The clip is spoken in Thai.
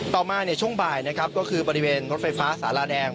ต่อมาช่วงบ่ายนะครับก็คือบริเวณรถไฟฟ้าสาราแดง